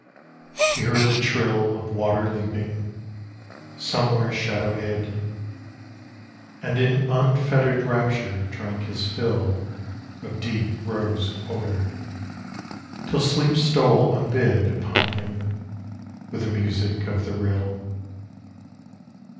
He heard the trill Of water leaping somewhere shadow hid, Ami in unfettered rapture drank his fill Of deep rose odour, tdl sleep stole unhid Upon him, with the music of the rill.